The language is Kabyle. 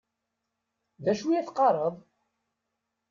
D acu i ad teqqaṛeḍ?